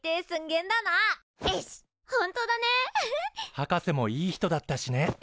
博士もいい人だったしね。